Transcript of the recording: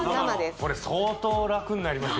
これ相当ラクになりますよ